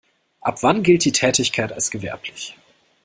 Ab wann gilt die Tätigkeit als gewerblich?